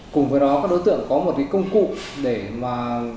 cùng với đó các đối tượng có một cái công cụ để mà